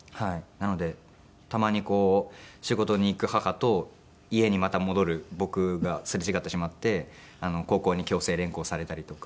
なのでたまにこう仕事に行く母と家にまた戻る僕がすれ違ってしまって高校に強制連行されたりとか。